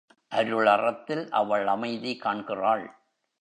அருளறத்தில் அவள் அமைதி காண்கிறாள்.